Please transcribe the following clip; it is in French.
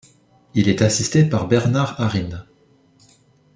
Il est assisté par Bernard Arin.